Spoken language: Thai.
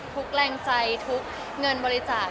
แรงใจทุกเงินบริจาค